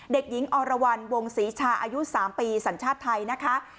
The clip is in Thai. เด็กหญิงอรวรรณวงศรีชาอายุ๓ปีสัญชาติไทยนะคะ